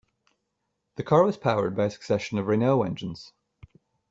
The car was powered by a succession of Renault engines.